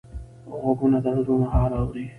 غوږونه د زړونو حال اوري